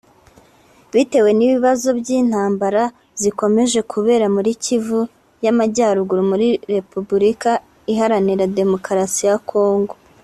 bitewe n’ibibazo by’intambara zikomeje kubera muri Kivu y’Amajyaruguru muri Repubulika Iharanira Demokarasi ya Kongo